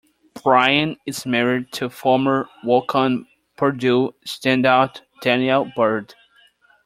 Brian is married to former walk-on Purdue standout Danielle Bird.